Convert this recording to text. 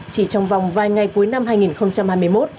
chỉ trong vòng vài ngày cuối năm hai nghìn hai mươi một